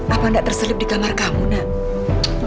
apa tidak terselip di kamar kamu nak